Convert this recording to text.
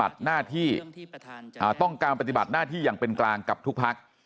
ต้องการปฏิบัติหน้าที่อย่างเป็นกลางกับทุกพัก